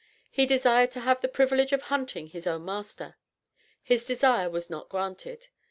He "desired to have the privilege of hunting his own master." His desire was not granted.